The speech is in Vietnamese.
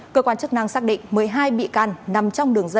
cơ quan chức năng xác định một mươi hai bị can nằm trong đường dây